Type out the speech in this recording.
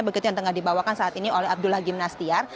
begitu yang tengah dibawakan saat ini oleh abdullah gimnastiar